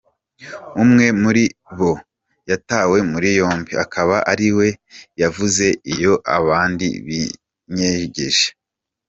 Umwe muri bo yatawe muri yompi akaba ari we yavuze iyo abandi binyegeje.